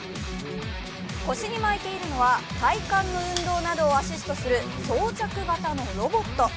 腰に巻いているのは体幹の運動などをアシストする装着型のロボット。